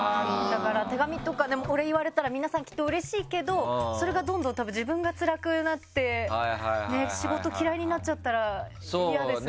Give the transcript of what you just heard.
手紙とかお礼言われたら皆さん、きっとうれしいけどそれがどんどん自分がつらくなって仕事嫌いになっちゃったら嫌ですね。